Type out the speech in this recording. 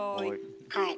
はい。